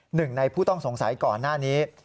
หนึ่งในผู้ต้องสงสัยก่อนหน้านี้